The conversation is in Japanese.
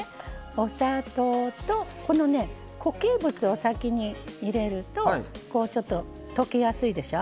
お砂糖と固形物を先に入れるとちょっと溶けやすいでしょ。